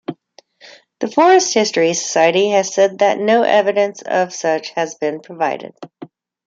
The Forest History Society has said that no evidence of such has been provided.